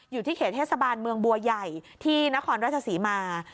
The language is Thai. อยู่ที่เขตเทศบาลเมืองบัวใหญ่ที่นครราชศรีมา